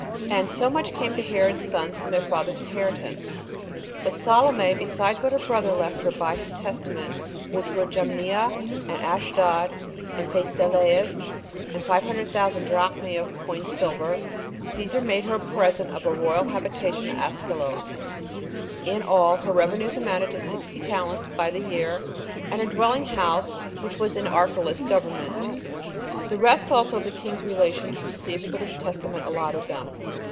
5. And so much came to Herod's sons from their father's inheritance. But Salome, besides what her brother left her by his testament, which were Jamnia, and Ashdod, and Phasaelis, and five hundred thousand [drachmae] of coined silver, Cæsar made her a present of a royal habitation at Askelo; in all, her revenues amounted to sixty talents by the year, and her dwelling house was within Archelaus's government. The rest also of the king's relations received what his testament allotted them.